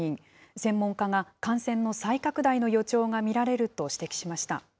専門家が、感染の再拡大の予兆が見られると指摘しました。